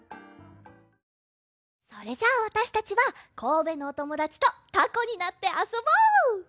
それじゃあわたしたちはこうべのおともだちとタコになってあそぼう！